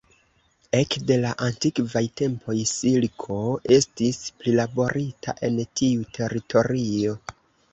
Ekde la antikvaj tempoj silko estis prilaborita en tiu teritorio.